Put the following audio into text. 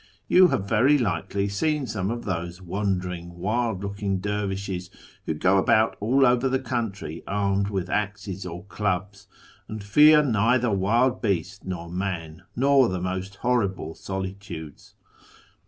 You have very likely seen some of those wandering, wild looking dervishes who go about all over the country armed with axes or clubs, and fear neither wild beast nor man, nor the most horrible solitudes.